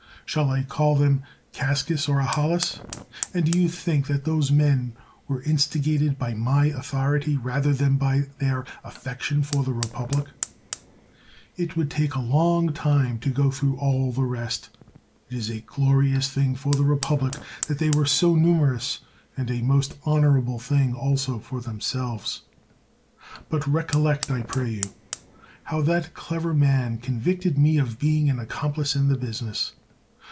Shall I call them Gascas, or Ahalas? And do you think that those men were instigated by my authority rather than by their affection for the republic ? It would take a long time to go through all the rest ; and it is a glorious thing for the republic that they were so numerous, and a most honorable thing also for themselves. But recollect, I pray you, how that clever man convicted me of being an accomplice in the busi ness.